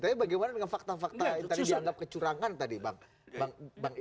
tapi bagaimana dengan fakta fakta yang tadi dianggap kecurangan tadi